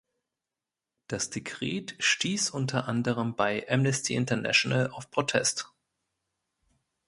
Das Dekret stieß unter anderem bei Amnesty International auf Protest.